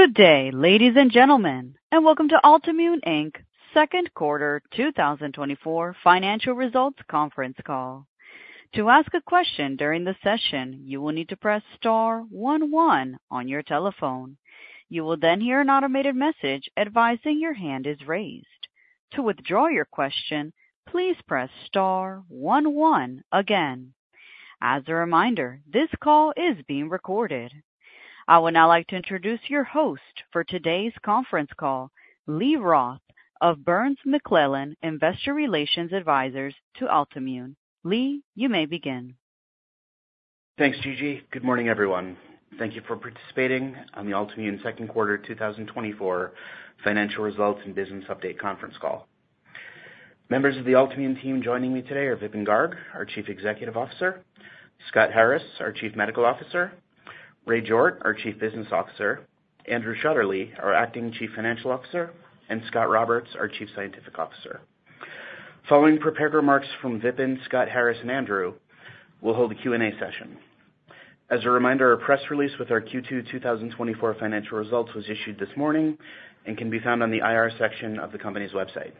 Good day, ladies and gentlemen, and welcome to Altimmune, Inc.'s Second Quarter 2024 Financial Results Conference Call. To ask a question during the session, you will need to press star one one on your telephone. You will then hear an automated message advising your hand is raised. To withdraw your question, please press star one one again. As a reminder, this call is being recorded. I would now like to introduce your host for today's conference call, Lee Roth of Burns McClellan Investor Relations Advisors to Altimmune. Lee, you may begin. Thanks, Gigi. Good morning, everyone. Thank you for participating on the Altimmune Second Quarter 2024 Financial Results and Business Update Conference Call. Members of the Altimmune team joining me today are Vipin Garg, our Chief Executive Officer, Scott Harris, our Chief Medical Officer, Ray Jordt, our Chief Business Officer, Andrew Shutterly, our Acting Chief Financial Officer, and Scott Roberts, our Chief Scientific Officer. Following prepared remarks from Vipin, Scott Harris, and Andrew, we'll hold a Q&A session. As a reminder, our press release with our Q2 2024 financial results was issued this morning and can be found on the IR section of the company's website.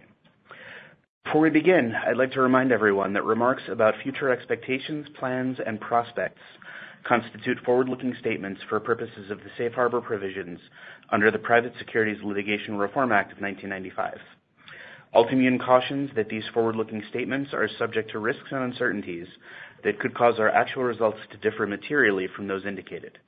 Before we begin, I'd like to remind everyone that remarks about future expectations, plans, and prospects constitute forward-looking statements for purposes of the Safe Harbor Provisions under the Private Securities Litigation Reform Act of 1995. Altimmune cautions that these forward-looking statements are subject to risks and uncertainties that could cause our actual results to differ materially from those indicated.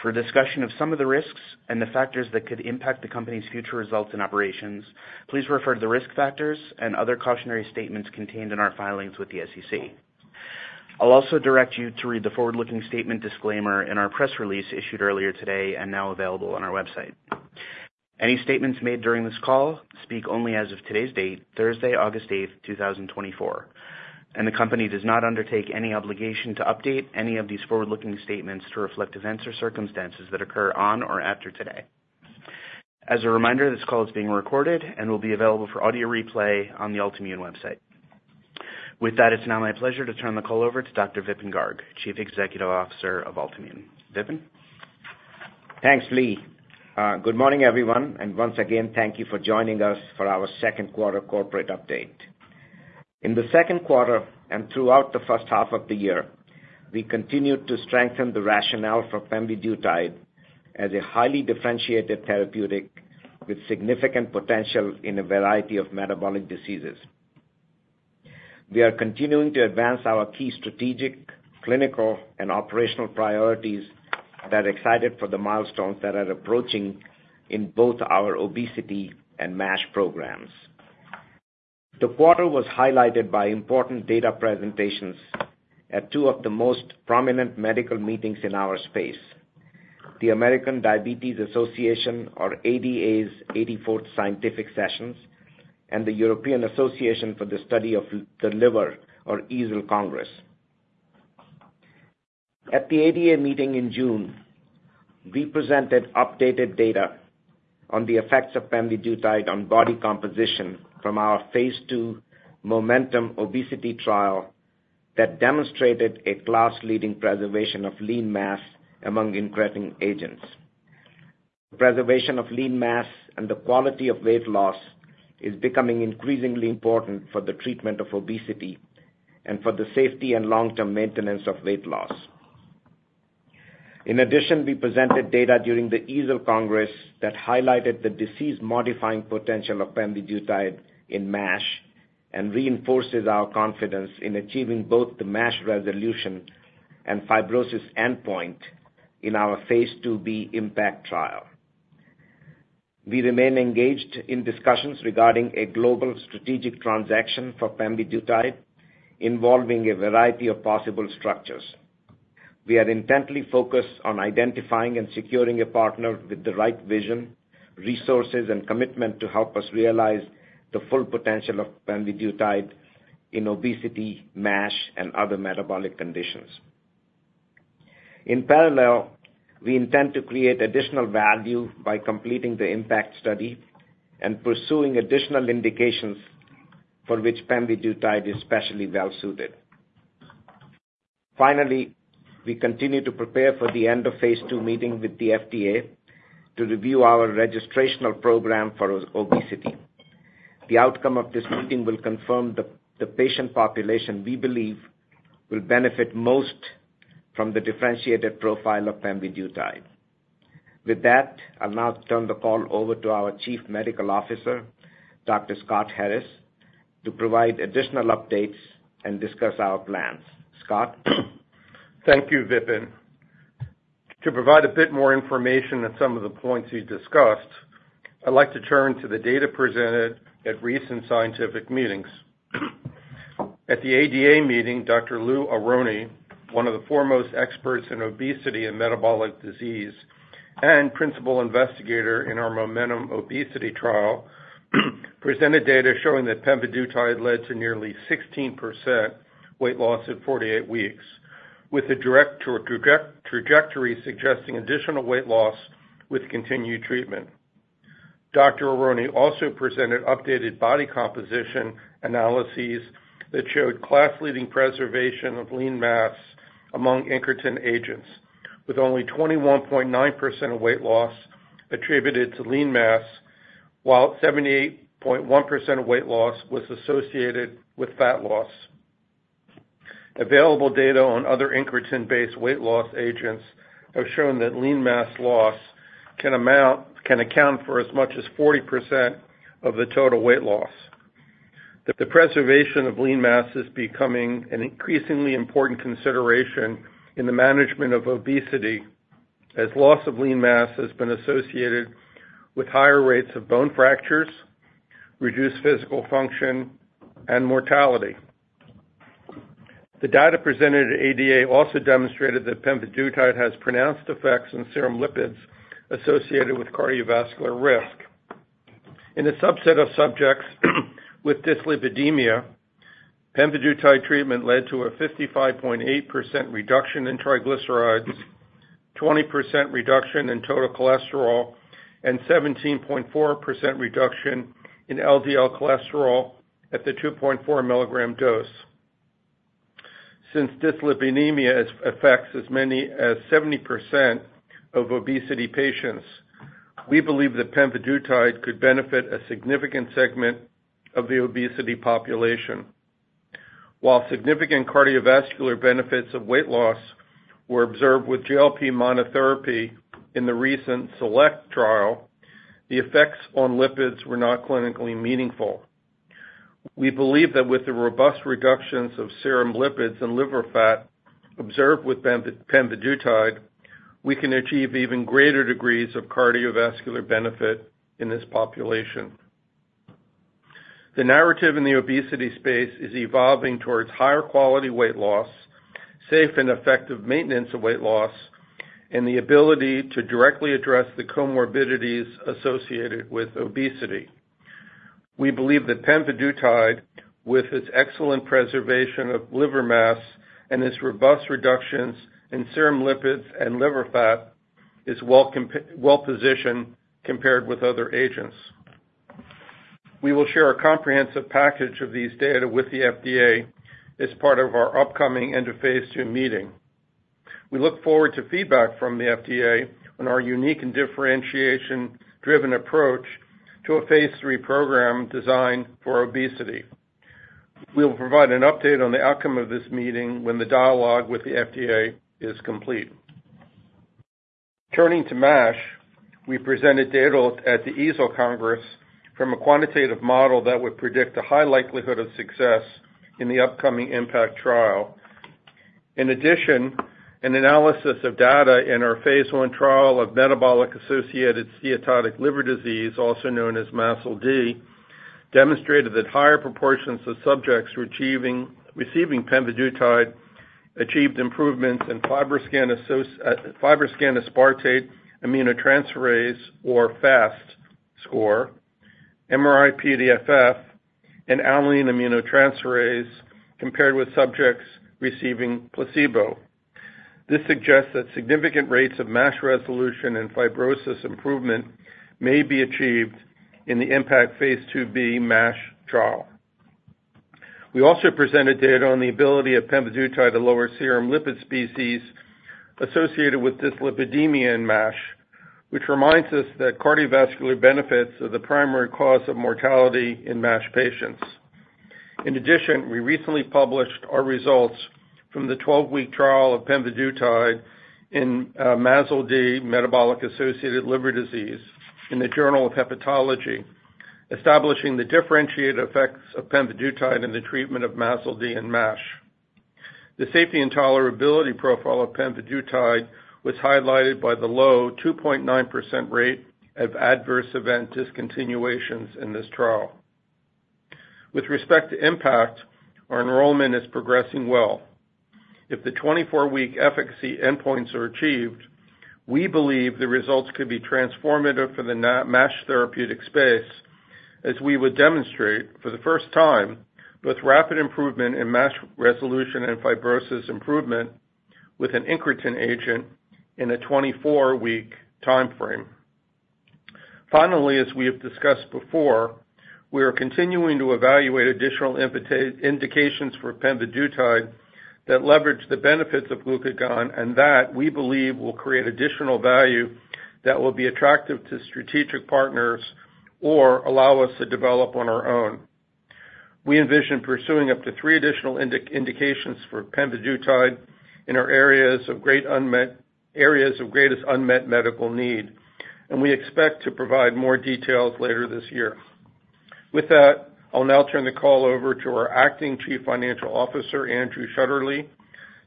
For discussion of some of the risks and the factors that could impact the company's future results and operations, please refer to the risk factors and other cautionary statements contained in our filings with the SEC. I'll also direct you to read the forward-looking statement disclaimer in our press release issued earlier today and now available on our website. Any statements made during this call speak only as of today's date, Thursday, August 8th, 2024, and the company does not undertake any obligation to update any of these forward-looking statements to reflect events or circumstances that occur on or after today. As a reminder, this call is being recorded and will be available for audio replay on the Altimmune website. With that, it's now my pleasure to turn the call over to Dr. Vipin Garg, Chief Executive Officer of Altimmune. Vipin? Thanks, Lee. Good morning, everyone, and once again, thank you for joining us for our second quarter corporate update. In the second quarter and throughout the first half of the year, we continued to strengthen the rationale for pemvidutide as a highly differentiated therapeutic with significant potential in a variety of metabolic diseases. We are continuing to advance our key strategic, clinical, and operational priorities and are excited for the milestones that are approaching in both our obesity and MASH programs. The quarter was highlighted by important data presentations at two of the most prominent medical meetings in our space, the American Diabetes Association, or ADA's, 84th Scientific Sessions, and the European Association for the Study of the Liver, or EASL Congress. At the ADA meeting in June, we presented updated data on the effects of pemvidutide on body composition from our Phase II MOMENTUM obesity trial that demonstrated a class-leading preservation of lean mass among incretin agents. Preservation of lean mass and the quality of weight loss is becoming increasingly important for the treatment of obesity and for the safety and long-term maintenance of weight loss. In addition, we presented data during the EASL Congress that highlighted the disease-modifying potential of pemvidutide in MASH and reinforces our confidence in achieving both the MASH resolution and fibrosis endpoint in our Phase II-B IMPACT trial. We remain engaged in discussions regarding a global strategic transaction for pemvidutide, involving a variety of possible structures. We are intently focused on identifying and securing a partner with the right vision, resources, and commitment to help us realize the full potential of pemvidutide in obesity, MASH, and other metabolic conditions. In parallel, we intend to create additional value by completing the impact study and pursuing additional indications for which pemvidutide is especially well suited. Finally, we continue to prepare for the end of Phase II meeting with the FDA to review our registrational program for obesity. The outcome of this meeting will confirm the patient population we believe will benefit most from the differentiated profile of pemvidutide. With that, I'll now turn the call over to our Chief Medical Officer, Dr. Scott Harris, to provide additional updates and discuss our plans. Scott? Thank you, Vipin. To provide a bit more information on some of the points you discussed, I'd like to turn to the data presented at recent scientific meetings. At the ADA meeting, Dr. Lou Aronne, one of the foremost experts in obesity and metabolic disease, and principal investigator in our MOMENTUM obesity trial, presented data showing that pemvidutide led to nearly 16% weight loss at 48 weeks, with a direct trajectory suggesting additional weight loss with continued treatment. Dr. Aronne also presented updated body composition analyses that showed class-leading preservation of lean mass among incretin agents, with only 21.9% of weight loss attributed to lean mass, while 78.1% of weight loss was associated with fat loss. Available data on other incretin-based weight loss agents have shown that lean mass loss can account for as much as 40% of the total weight loss. The preservation of lean mass is becoming an increasingly important consideration in the management of obesity, as loss of lean mass has been associated with higher rates of bone fractures, reduced physical function, and mortality. The data presented at ADA also demonstrated that pemvidutide has pronounced effects on serum lipids associated with cardiovascular risk. In a subset of subjects with dyslipidemia, pemvidutide treatment led to a 55.8% reduction in triglycerides, 20% reduction in total cholesterol, and 17.4% reduction in LDL cholesterol at the 2.4 mg dose. Since dyslipidemia affects as many as 70% of obesity patients, we believe that pemvidutide could benefit a significant segment of the obesity population. While significant cardiovascular benefits of weight loss were observed with GLP monotherapy in the recent SELECT trial, the effects on lipids were not clinically meaningful. We believe that with the robust reductions of serum lipids and liver fat observed with pemvidutide, we can achieve even greater degrees of cardiovascular benefit in this population. The narrative in the obesity space is evolving towards higher quality weight loss, safe and effective maintenance of weight loss, and the ability to directly address the comorbidities associated with obesity. We believe that pemvidutide, with its excellent preservation of liver mass and its robust reductions in serum lipids and liver fat, is well-positioned compared with other agents. We will share a comprehensive package of these data with the FDA as part of our upcoming end of Phase II meeting. We look forward to feedback from the FDA on our unique and differentiation-driven approach to a Phase III program designed for obesity. We will provide an update on the outcome of this meeting when the dialogue with the FDA is complete. Turning to MASH, we presented data at the EASL Congress from a quantitative model that would predict a high likelihood of success in the upcoming IMPACT trial. In addition, an analysis of data in our Phase I trial of metabolic-associated steatotic liver disease, also known as MASLD, demonstrated that higher proportions of subjects receiving pemvidutide achieved improvements in FibroScan aspartate aminotransferase, or FAST score, MRI-PDFF, and alanine aminotransferase, compared with subjects receiving placebo. This suggests that significant rates of MASH resolution and fibrosis improvement may be achieved in the IMPACT Phase II-B MASH trial. We also presented data on the ability of pemvidutide to lower serum lipid species associated with dyslipidemia and MASH, which reminds us that cardiovascular benefits are the primary cause of mortality in MASH patients. In addition, we recently published our results from the 12-week trial of pemvidutide in MASLD, metabolic-associated liver disease, in the Journal of Hepatology, establishing the differentiated effects of pemvidutide in the treatment of MASLD and MASH. The safety and tolerability profile of pemvidutide was highlighted by the low 2.9% rate of adverse event discontinuations in this trial. With respect to impact, our enrollment is progressing well. If the 24-week efficacy endpoints are achieved, we believe the results could be transformative for the MASH therapeutic space, as we would demonstrate, for the first time, both rapid improvement in MASH resolution and fibrosis improvement with an incretin agent in a 24-week timeframe. Finally, as we have discussed before, we are continuing to evaluate additional indications for pemvidutide that leverage the benefits of glucagon and that, we believe, will create additional value that will be attractive to strategic partners or allow us to develop on our own. We envision pursuing up to three additional indications for pemvidutide in our areas of greatest unmet medical need, and we expect to provide more details later this year. With that, I'll now turn the call over to our Acting Chief Financial Officer, Andrew Shutterly,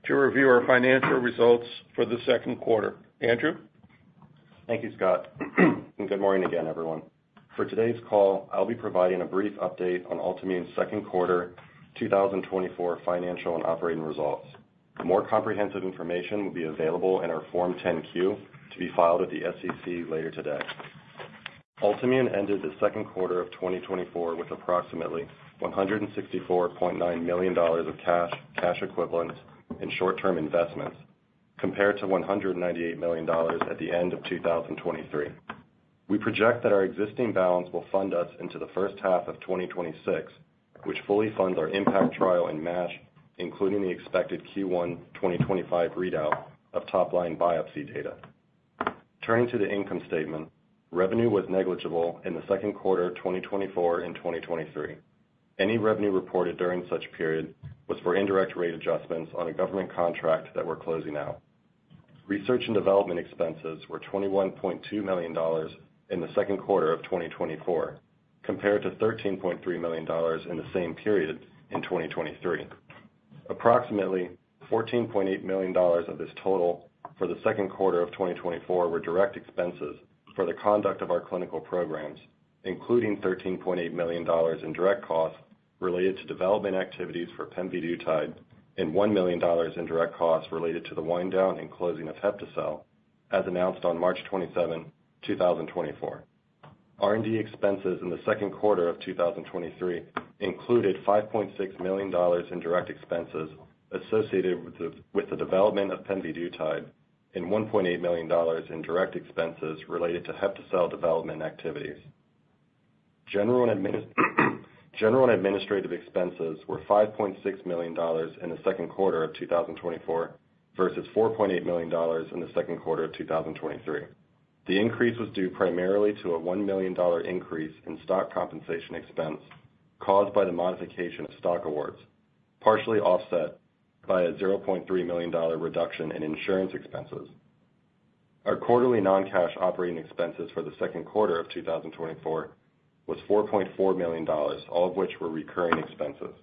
to review our financial results for the second quarter. Andrew? Thank you, Scott. Good morning again, everyone. For today's call, I'll be providing a brief update on Altimmune's Second Quarter 2024 Financial and Operating Results. More comprehensive information will be available in our Form 10-Q, to be filed with the SEC later today. Altimmune ended the second quarter of 2024 with approximately $164.9 million of cash, cash equivalents, and short-term investments, compared to $198 million at the end of 2023. We project that our existing balance will fund us into the first half of 2026, which fully funds our IMPACT trial and MASH, including the expected Q1 2025 readout of top-line biopsy data. Turning to the income statement, revenue was negligible in the second quarter of 2024 and 2023. Any revenue reported during such period was for indirect rate adjustments on a government contract that we're closing out. Research and development expenses were $21.2 million in the second quarter of 2024, compared to $13.3 million in the same period in 2023. Approximately $14.8 million of this total for the second quarter of 2024 were direct expenses for the conduct of our clinical programs, including $13.8 million in direct costs related to development activities for pemvidutide and $1 million in direct costs related to the wind down and closing of HepTcell, as announced on March 27, 2024. R&D expenses in the second quarter of 2023 included $5.6 million in direct expenses associated with the development of pemvidutide and $1.8 million in direct expenses related to HepTcell development activities. General and administrative expenses were $5.6 million in the second quarter of 2024, versus $4.8 million in the second quarter of 2023. The increase was due primarily to a $1 million increase in stock compensation expense caused by the modification of stock awards, partially offset by a $0.3 million reduction in insurance expenses. Our quarterly non-cash operating expenses for the second quarter of 2024 was $4.4 million, all of which were recurring expenses.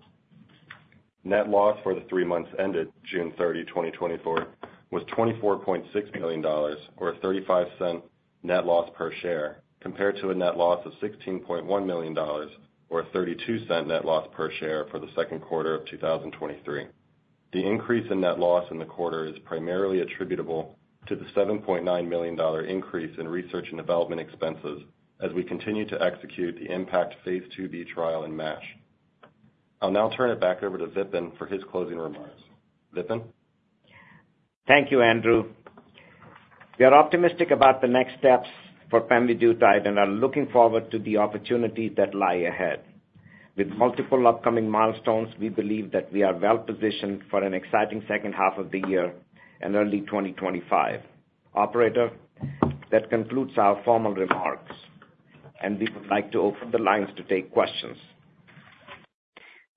Net loss for the three months ended June 30, 2024, was $24.6 million, or a $0.35 net loss per share, compared to a net loss of $16.1 million or a $0.32 net loss per share for the second quarter of 2023. The increase in net loss in the quarter is primarily attributable to the $7.9 million increase in research and development expenses as we continue to execute the IMPACT Phase II-B trial in MASH. I'll now turn it back over to Vipin for his closing remarks. Vipin? Thank you, Andrew. We are optimistic about the next steps for pemvidutide and are looking forward to the opportunities that lie ahead. With multiple upcoming milestones, we believe that we are well positioned for an exciting second half of the year and early 2025. Operator, that concludes our formal remarks, and we would like to open the lines to take questions.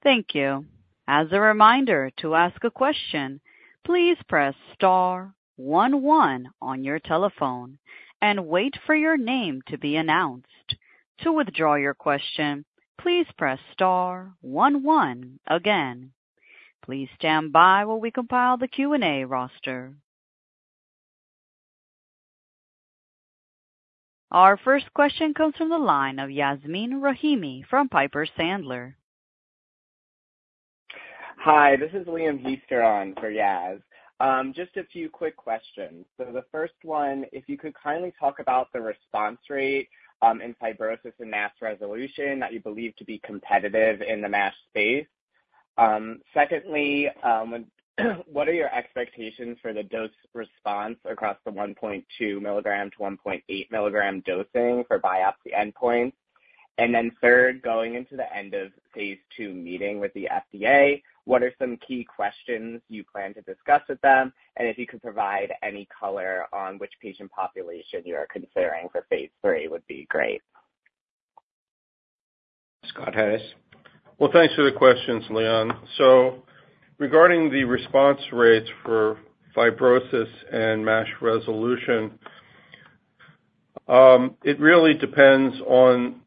Thank you. As a reminder, to ask a question, please press star one one on your telephone and wait for your name to be announced. To withdraw your question, please press star one one again. Please stand by while we compile the Q&A roster. Our first question comes from the line of Yasmeen Rahimi from Piper Sandler. Hi, this is Liam Hiester on for Yas. Just a few quick questions. So the first one, if you could kindly talk about the response rate in fibrosis and MASH resolution that you believe to be competitive in the MASH space? Secondly, what are your expectations for the dose response across the 1.2 mg-1.8 mg dosing for biopsy endpoint? And then third, going into the end of Phase II meeting with the FDA, what are some key questions you plan to discuss with them? And if you could provide any color on which patient population you are considering for Phase III, would be great. Scott Harris? Well, thanks for the questions, Liam. So regarding the response rates for fibrosis and MASH resolution, it really depends on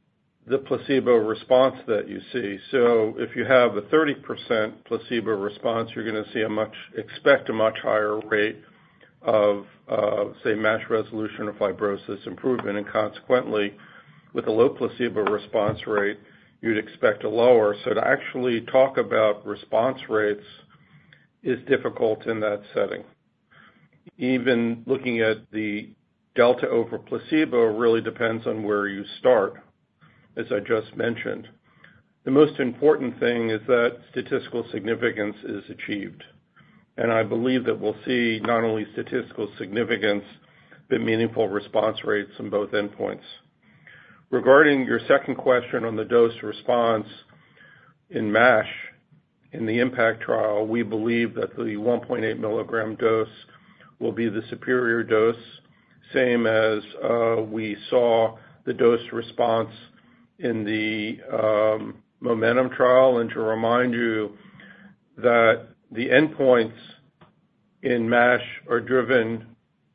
the placebo response that you see. So if you have a 30% placebo response, you're gonna see a much higher rate of, say, MASH resolution or fibrosis improvement. And consequently, with a low placebo response rate, you'd expect a lower. So to actually talk about response rates is difficult in that setting. Even looking at the delta over placebo really depends on where you start, as I just mentioned. The most important thing is that statistical significance is achieved, and I believe that we'll see not only statistical significance, but meaningful response rates on both endpoints. Regarding your second question on the dose response in MASH, in the IMPACT trial, we believe that the 1.8 mg dose will be the superior dose, same as we saw the dose response in the MOMENTUM trial. To remind you that the endpoints in MASH are driven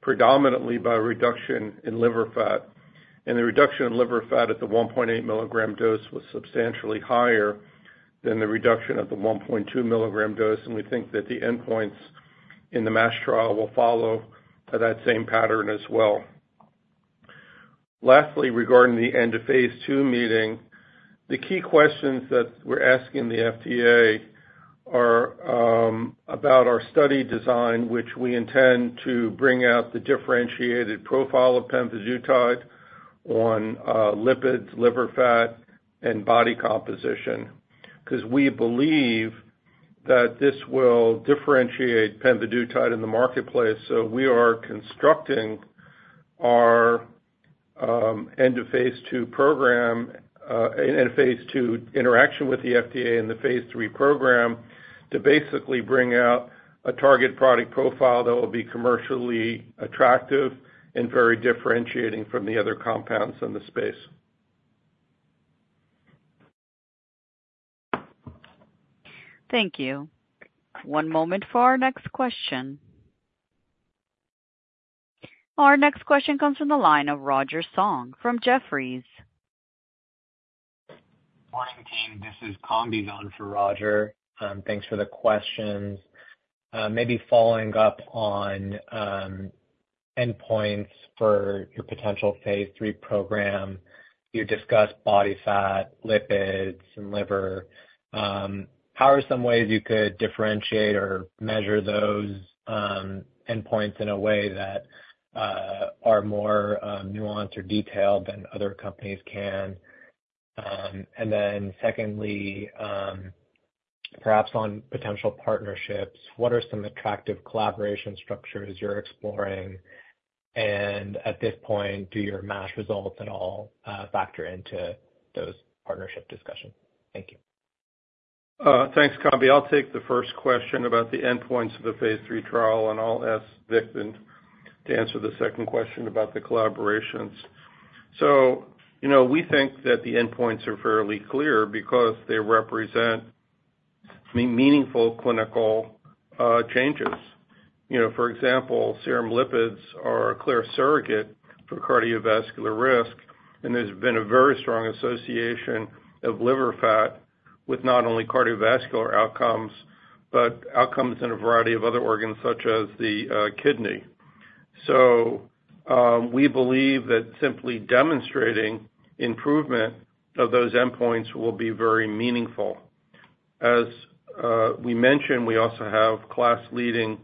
predominantly by reduction in liver fat, and the reduction in liver fat at the 1.8 mg dose was substantially higher than the reduction of the 1.2 mg dose, and we think that the endpoints in the MASH trial will follow to that same pattern as well. Lastly, regarding the end of Phase II meeting, the key questions that we're asking the FDA are about our study design, which we intend to bring out the differentiated profile of pemvidutide on lipids, liver fat, and body composition.... 'cause we believe that this will differentiate pemvidutide in the marketplace. So we are constructing our end of Phase II program, and Phase II interaction with the FDA and the Phase III program to basically bring out a target product profile that will be commercially attractive and very differentiating from the other compounds in the space. Thank you. One moment for our next question. Our next question comes from the line of Roger Song from Jefferies. Morning, team. This is Kambiz on for Roger. Thanks for the questions. Maybe following up on endpoints for your potential Phase III program. You discussed body fat, lipids, and liver. How are some ways you could differentiate or measure those endpoints in a way that are more nuanced or detailed than other companies can? And then secondly, perhaps on potential partnerships, what are some attractive collaboration structures you're exploring? And at this point, do your MASH results at all factor into those partnership discussions? Thank you. Thanks, Kambiz. I'll take the first question about the endpoints of the Phase III trial, and I'll ask Vipin to answer the second question about the collaborations. So, you know, we think that the endpoints are fairly clear because they represent meaningful clinical changes. You know, for example, serum lipids are a clear surrogate for cardiovascular risk, and there's been a very strong association of liver fat with not only cardiovascular outcomes, but outcomes in a variety of other organs, such as the kidney. So, we believe that simply demonstrating improvement of those endpoints will be very meaningful. As we mentioned, we also have class-leading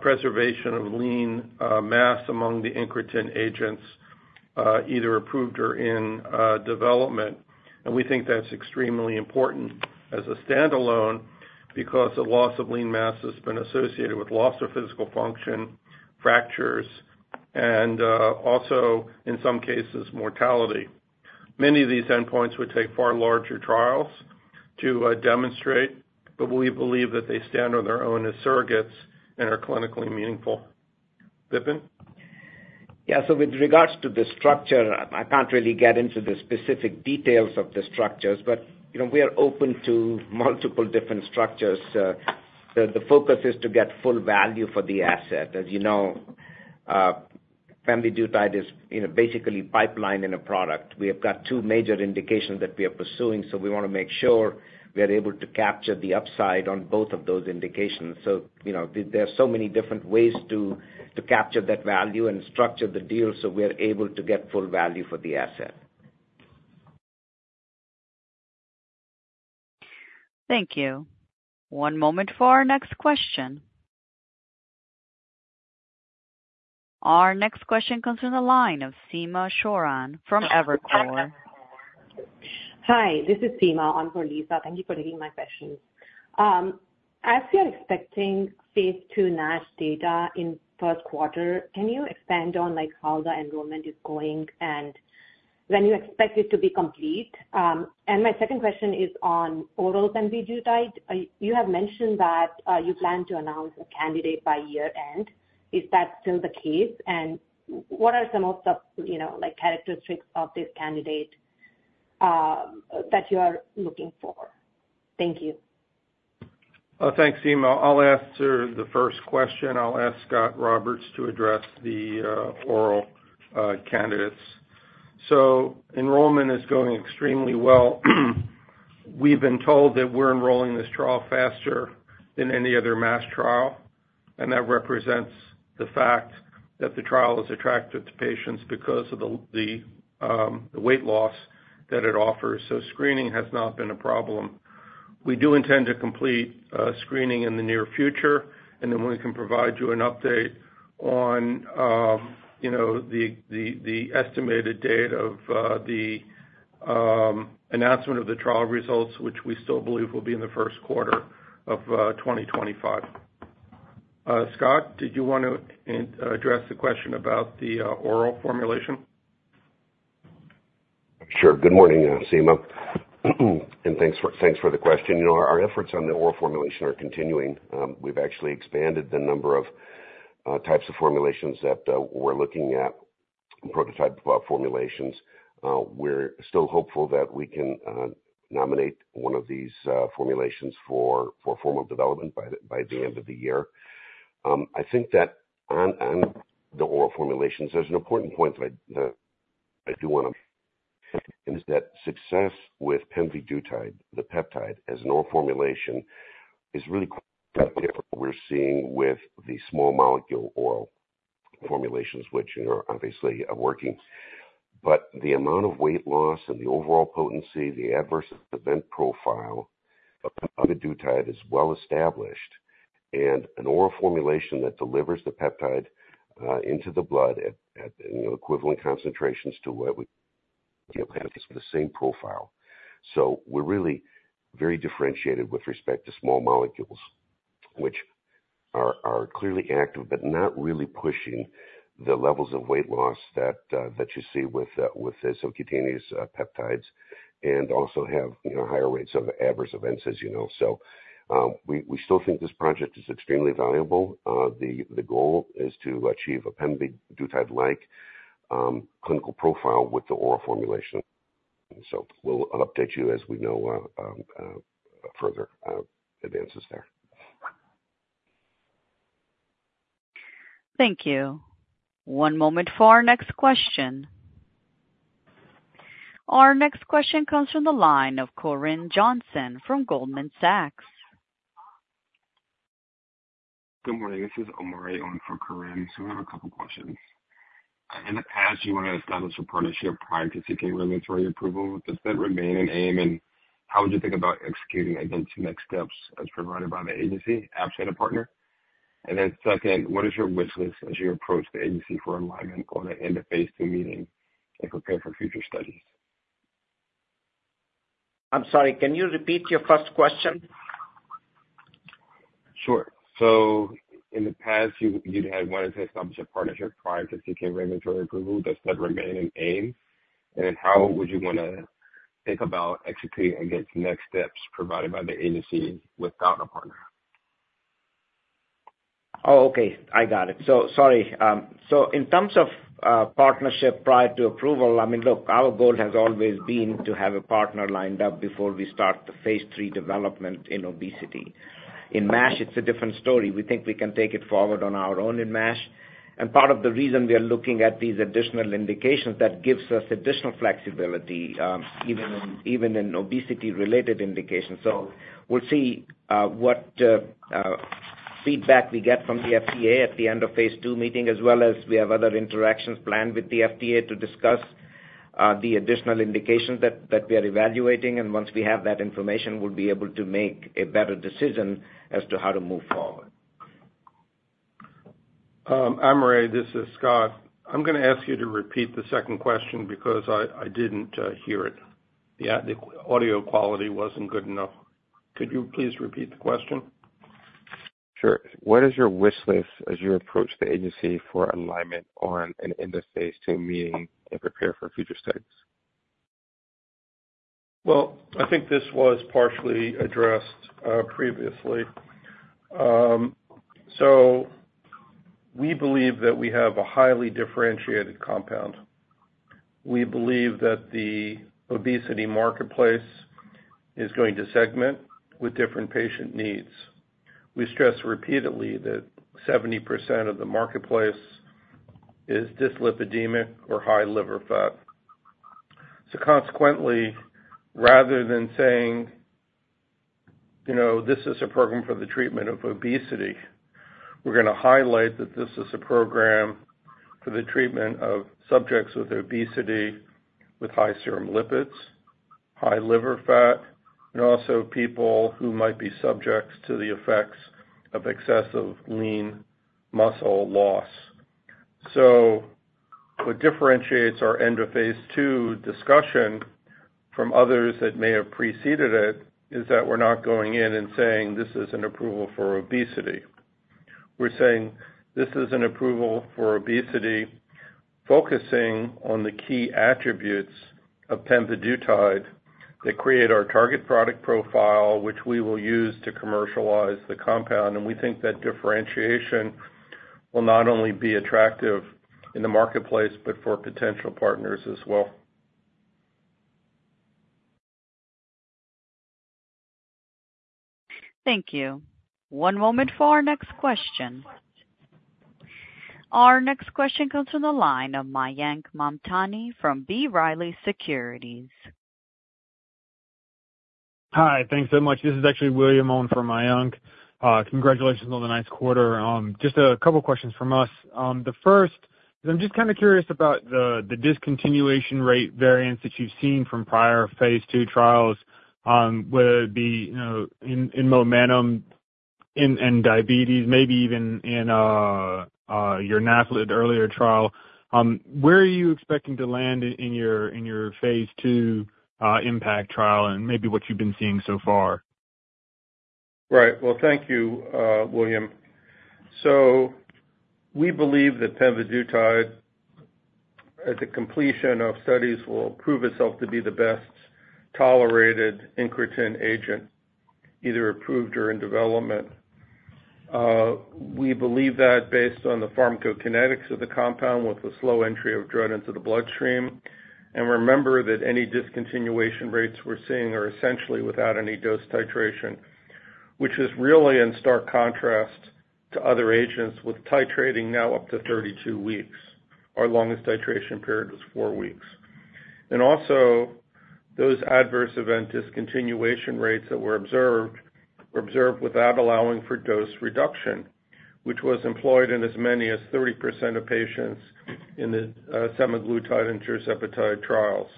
preservation of lean mass among the incretin agents, either approved or in development. We think that's extremely important as a standalone because the loss of lean mass has been associated with loss of physical function, fractures, and also, in some cases, mortality. Many of these endpoints would take far larger trials to demonstrate, but we believe that they stand on their own as surrogates and are clinically meaningful. Vipin? Yeah. So with regards to the structure, I can't really get into the specific details of the structures, but, you know, we are open to multiple different structures. The focus is to get full value for the asset. As you know, pemvidutide is, you know, basically a pipeline product. We have got two major indications that we are pursuing, so we wanna make sure we are able to capture the upside on both of those indications. So, you know, there are so many different ways to capture that value and structure the deal, so we are able to get full value for the asset. Thank you. One moment for our next question. Our next question comes in the line of Seema Sheoran from Evercore. Hi, this is Seema. I'm for Lisa. Thank you for taking my question. As you're expecting Phase II MASH data in first quarter, can you expand on, like, how the enrollment is going and when you expect it to be complete? And my second question is on oral pemvidutide. You have mentioned that you plan to announce a candidate by year-end. Is that still the case? And what are some of the, you know, like, characteristics of this candidate that you are looking for? Thank you. Thanks, Seema. I'll answer the first question. I'll ask Scott Roberts to address the oral candidates. So enrollment is going extremely well. We've been told that we're enrolling this trial faster than any other MASH trial, and that represents the fact that the trial is attractive to patients because of the weight loss that it offers. So screening has not been a problem. We do intend to complete screening in the near future, and then we can provide you an update on you know the estimated date of the announcement of the trial results, which we still believe will be in the first quarter of 2025. Scott, did you want to address the question about the oral formulation? Sure. Good morning, Seema, and thanks for, thanks for the question. You know, our efforts on the oral formulation are continuing. We've actually expanded the number of types of formulations that we're looking at and prototyped formulations. We're still hopeful that we can nominate one of these formulations for formal development by the end of the year. I think that on the oral formulations, there's an important point that I do wanna... And is that success with pemvidutide, the peptide, as an oral formulation is really different what we're seeing with the small molecule oral formulations, which, you know, obviously are working. But the amount of weight loss and the overall potency, the adverse event profile of pemvidutide is well established.... and an oral formulation that delivers the peptide into the blood at, you know, equivalent concentrations to what we have, the same profile. So we're really very differentiated with respect to small molecules, which are clearly active, but not really pushing the levels of weight loss that you see with the subcutaneous peptides, and also have, you know, higher rates of adverse events, as you know. So, we still think this project is extremely valuable. The goal is to achieve a pemvidutide-like clinical profile with the oral formulation. So we'll, I'll update you as we know further advances there. Thank you. One moment for our next question. Our next question comes from the line of Corinne Johnson from Goldman Sachs. Good morning. This is Omari, on for Corinne. So I have a couple questions. In the past, you wanted to establish a partnership prior to seeking regulatory approval. Does that remain an aim, and how would you think about executing against next steps as provided by the agency, absent a partner? And then second, what is your wish list as you approach the agency for alignment on an end of Phase II meeting and prepare for future studies? I'm sorry, can you repeat your first question? Sure. So in the past, you, you'd had wanted to establish a partnership prior to seeking regulatory approval. Does that remain an aim? And how would you wanna think about executing against next steps provided by the agency without a partner? Oh, okay. I got it. So sorry. So in terms of partnership prior to approval, I mean, look, our goal has always been to have a partner lined up before we start the Phase III development in obesity. In MASH, it's a different story. We think we can take it forward on our own in MASH, and part of the reason we are looking at these additional indications that gives us additional flexibility, even in, even in obesity-related indications. So we'll see what feedback we get from the FDA at the end of Phase II meeting, as well as we have other interactions planned with the FDA to discuss the additional indications that that we are evaluating. And once we have that information, we'll be able to make a better decision as to how to move forward. Omari, this is Scott. I'm gonna ask you to repeat the second question because I didn't hear it. The audio quality wasn't good enough. Could you please repeat the question? Sure. What is your wish list as you approach the agency for alignment on an end of Phase II meeting and prepare for future studies? Well, I think this was partially addressed previously. So we believe that we have a highly differentiated compound. We believe that the obesity marketplace is going to segment with different patient needs. We stress repeatedly that 70% of the marketplace is dyslipidemia or high liver fat. So consequently, rather than saying, "You know, this is a program for the treatment of obesity," we're gonna highlight that this is a program for the treatment of subjects with obesity, with high serum lipids, high liver fat, and also people who might be subjects to the effects of excessive lean muscle loss. What differentiates our end-of-Phase II discussion from others that may have preceded it is that we're not going in and saying, "This is an approval for obesity." We're saying, "This is an approval for obesity," focusing on the key attributes of pemvidutide that create our target product profile, which we will use to commercialize the compound. We think that differentiation will not only be attractive in the marketplace, but for potential partners as well. Thank you. One moment for our next question. Our next question comes from the line of Mayank Mamtani from B. Riley Securities. Hi, thanks so much. This is actually William, calling for Mayank. Congratulations on the nice quarter. Just a couple questions from us. The first is, I'm just kind of curious about the discontinuation rate variance that you've seen from prior Phase II trials, whether it be, you know, in MOMENTUM, in diabetes, maybe even in your NAFLD earlier trial. Where are you expecting to land in your Phase II IMPACT trial and maybe what you've been seeing so far? Right. Well, thank you, William. So we believe that pemvidutide, at the completion of studies, will prove itself to be the best tolerated incretin agent, either approved or in development. We believe that based on the pharmacokinetics of the compound, with the slow entry of drug into the bloodstream, and remember that any discontinuation rates we're seeing are essentially without any dose titration. Which is really in stark contrast to other agents, with titrating now up to 32 weeks. Our longest titration period was 4 weeks. And also, those adverse event discontinuation rates that were observed, were observed without allowing for dose reduction, which was employed in as many as 30% of patients in the semaglutide and tirzepatide trials....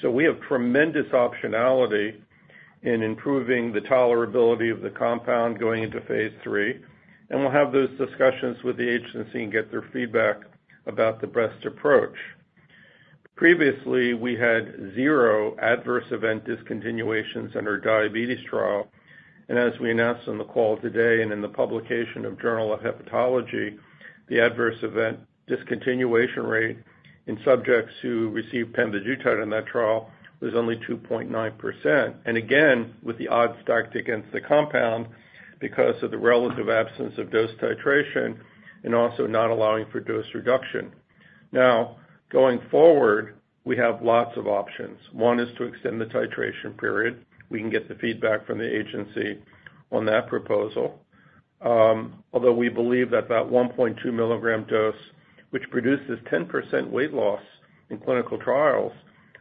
So we have tremendous optionality in improving the tolerability of the compound going into phase III, and we'll have those discussions with the agency and get their feedback about the best approach. Previously, we had zero adverse event discontinuations in our diabetes trial, and as we announced on the call today and in the publication of Journal of Hepatology, the adverse event discontinuation rate in subjects who received pemvidutide in that trial was only 2.9%. And again, with the odds stacked against the compound because of the relative absence of dose titration and also not allowing for dose reduction. Now, going forward, we have lots of options. One is to extend the titration period. We can get the feedback from the agency on that proposal, although we believe that that 1.2 mg dose, which produces 10% weight loss in clinical trials,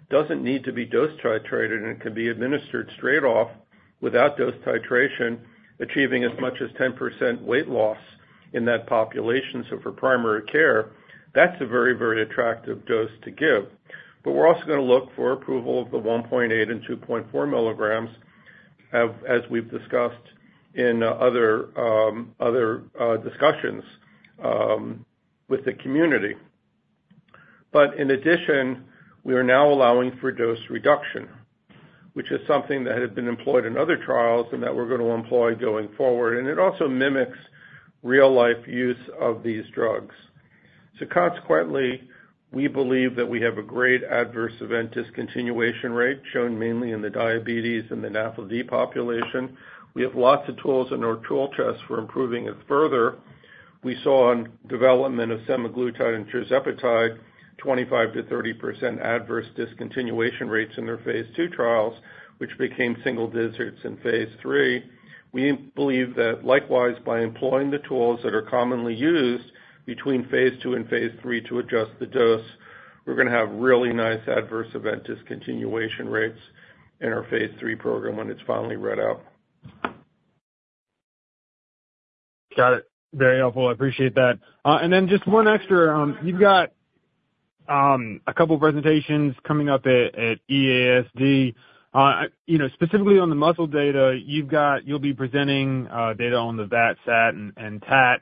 doesn't need to be dose titrated, and it can be administered straight off without dose titration, achieving as much as 10% weight loss in that population. So for primary care, that's a very, very attractive dose to give. But we're also gonna look for approval of the 1.8 mg and 2.4 milligrams, as we've discussed in other discussions with the community. But in addition, we are now allowing for dose reduction, which is something that had been employed in other trials and that we're going to employ going forward, and it also mimics real-life use of these drugs. So consequently, we believe that we have a great adverse event discontinuation rate, shown mainly in the diabetes and the NAFLD population. We have lots of tools in our tool chest for improving it further. We saw on development of semaglutide and tirzepatide, 25%-30% adverse discontinuation rates in their Phase II trials, which became single digits in Phase III. We believe that likewise, by employing the tools that are commonly used between Phase II and Phase III to adjust the dose, we're gonna have really nice adverse event discontinuation rates in our Phase III program when it's finally read out. Got it. Very helpful. I appreciate that. And then just one extra. You've got a couple presentations coming up at EASD. You know, specifically on the muscle data, you'll be presenting data on the VAT, SAT, and TAT.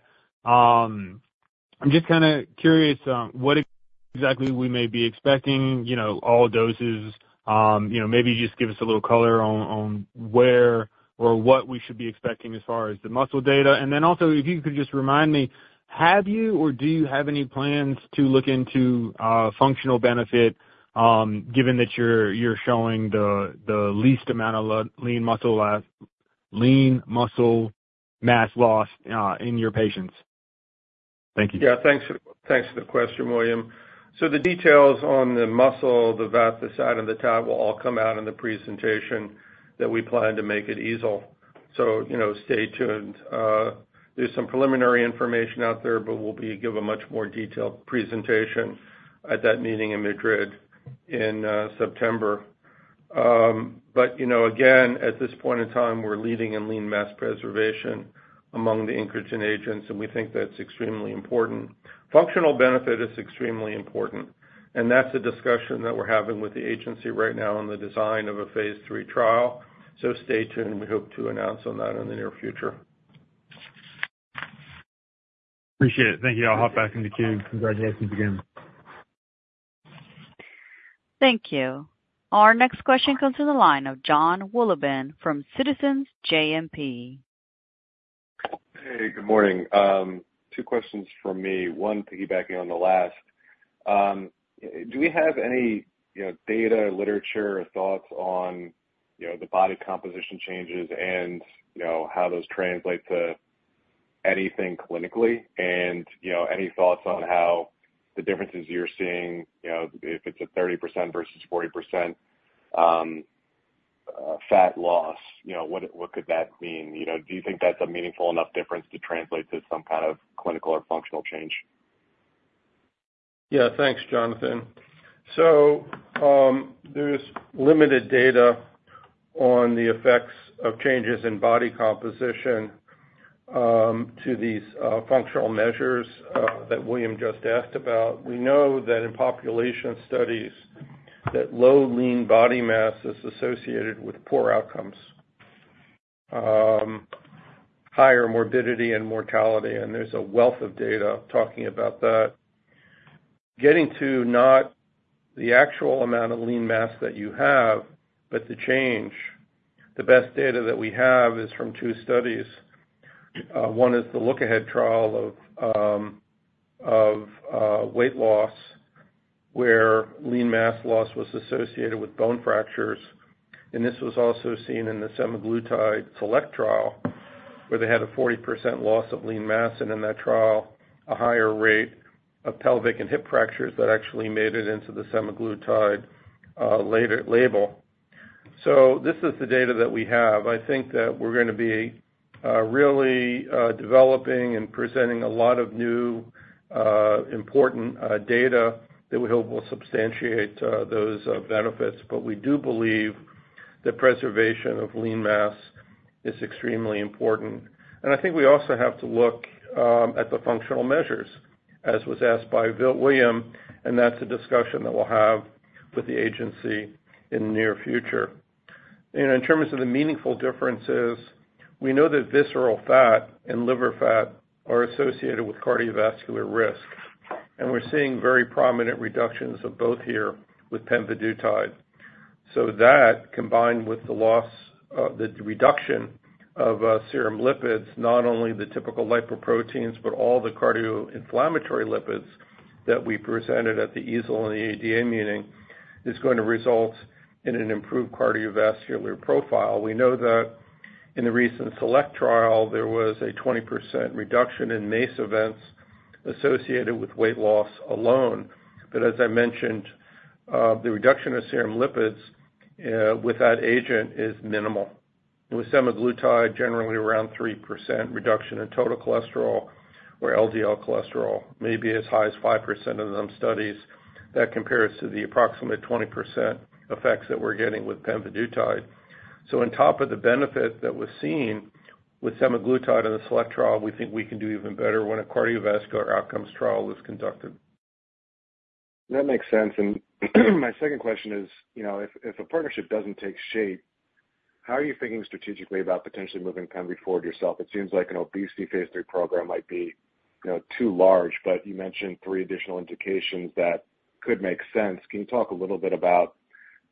I'm just kind of curious what exactly we may be expecting, you know, all doses. You know, maybe just give us a little color on where or what we should be expecting as far as the muscle data. And then also, if you could just remind me, have you or do you have any plans to look into functional benefit, given that you're showing the least amount of lean muscle mass loss in your patients? Thank you. Yeah, thanks. Thanks for the question, William. So the details on the muscle, the VAT, the SAT, and the TAT, will all come out in the presentation that we plan to make at EASL. So, you know, stay tuned. There's some preliminary information out there, but we'll give a much more detailed presentation at that meeting in Madrid in September. But you know, again, at this point in time, we're leading in lean mass preservation among the incretin agents, and we think that's extremely important. Functional benefit is extremely important, and that's a discussion that we're having with the agency right now on the design of a Phase III trial. So stay tuned, we hope to announce on that in the near future. Appreciate it. Thank you. I'll hop back in the queue. Congratulations again. Thank you. Our next question comes from the line of Jon Wolleben from Citizens JMP. Hey, good morning. Two questions from me. One, piggybacking on the last. Do we have any, you know, data, literature, or thoughts on, you know, the body composition changes and, you know, how those translate to anything clinically? And, you know, any thoughts on how the differences you're seeing, you know, if it's a 30% versus 40% fat loss, you know, what, what could that mean? You know, do you think that's a meaningful enough difference to translate to some kind of clinical or functional change? Yeah, thanks, Jonathan. There's limited data on the effects of changes in body composition to these functional measures that William just asked about. We know that in population studies that low lean body mass is associated with poor outcomes, higher morbidity and mortality, and there's a wealth of data talking about that. Getting to not the actual amount of lean mass that you have, but the change, the best data that we have is from two studies. One is the Look AHEAD trial of weight loss, where lean mass loss was associated with bone fractures, and this was also seen in the semaglutide SELECT trial, where they had a 40% loss of lean mass, and in that trial, a higher rate of pelvic and hip fractures that actually made it into the semaglutide label. This is the data that we have. I think that we're gonna be really developing and presenting a lot of new important data that we hope will substantiate those benefits. But we do believe-... the preservation of lean mass is extremely important. I think we also have to look at the functional measures, as was asked by William, and that's a discussion that we'll have with the agency in the near future. In terms of the meaningful differences, we know that visceral fat and liver fat are associated with cardiovascular risk, and we're seeing very prominent reductions of both here with pemvidutide. So that, combined with the loss of the reduction of serum lipids, not only the typical lipoproteins, but all the cardio inflammatory lipids that we presented at the EASL and the ADA meeting, is going to result in an improved cardiovascular profile. We know that in the recent SELECT trial, there was a 20% reduction in MACE events associated with weight loss alone. But as I mentioned, the reduction of serum lipids with that agent is minimal. With semaglutide, generally around 3% reduction in total cholesterol or LDL cholesterol, may be as high as 5% in those studies. That compares to the approximately 20% effects that we're getting with pemvidutide. So on top of the benefit that was seen with semaglutide in the SELECT trial, we think we can do even better when a cardiovascular outcomes trial is conducted. That makes sense. And my second question is, you know, if a partnership doesn't take shape, how are you thinking strategically about potentially moving pemvidutide yourself? It seems like an obesity Phase III program might be, you know, too large, but you mentioned three additional indications that could make sense. Can you talk a little bit about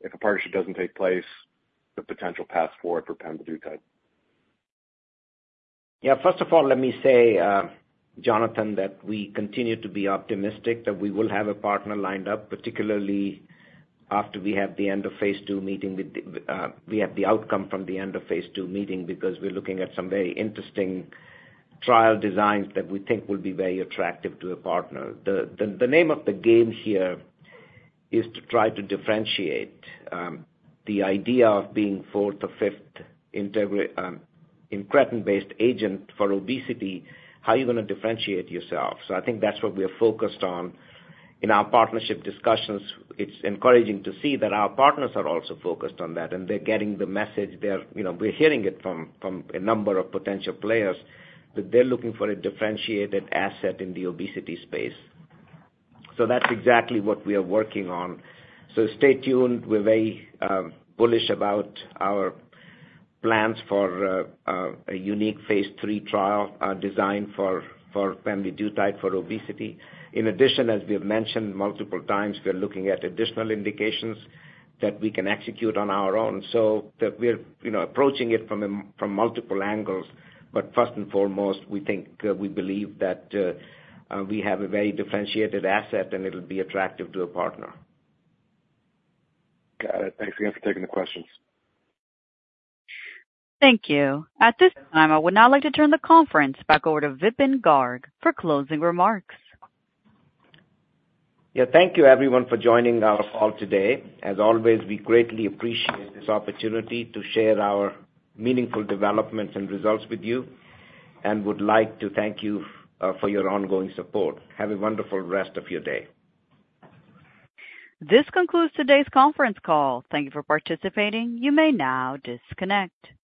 if a partnership doesn't take place, the potential path forward for pemvidutide? Yeah, first of all, let me say, Jonathan, that we continue to be optimistic that we will have a partner lined up, particularly after we have the end of Phase II meeting with the, we have the outcome from the end of Phase II meeting, because we're looking at some very interesting trial designs that we think will be very attractive to a partner. The name of the game here is to try to differentiate the idea of being fourth or fifth incretin-based agent for obesity. How are you gonna differentiate yourself? So I think that's what we are focused on in our partnership discussions. It's encouraging to see that our partners are also focused on that, and they're getting the message. They're, you know, we're hearing it from, from a number of potential players, that they're looking for a differentiated asset in the obesity space. So that's exactly what we are working on. So stay tuned. We're very bullish about our plans for a unique Phase III trial designed for pemvidutide for obesity. In addition, as we have mentioned multiple times, we're looking at additional indications that we can execute on our own, so that we're, you know, approaching it from a, from multiple angles. But first and foremost, we think we believe that we have a very differentiated asset and it'll be attractive to a partner. Got it. Thanks again for taking the questions. Thank you. At this time, I would now like to turn the conference back over to Vipin Garg for closing remarks. Yeah, thank you everyone for joining our call today. As always, we greatly appreciate this opportunity to share our meaningful developments and results with you, and would like to thank you for your ongoing support. Have a wonderful rest of your day. This concludes today's conference call. Thank you for participating. You may now disconnect.